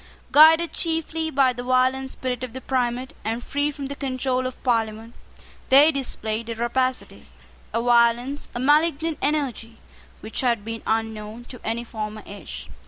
Guided chiefly by the violent spirit of the primate, and free from the control of Parliament, they displayed a rapacity, a violence, a malignant energy, which had been unknown to any former age.